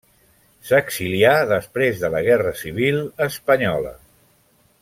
S'exilià després de la Guerra Civil espanyola.